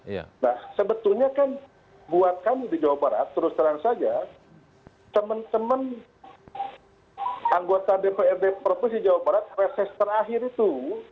nah sebetulnya kan buat kami di jawa barat terus terang saja teman teman anggota dprd provinsi jawa barat reses terakhir itu